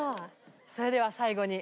それでは最後に。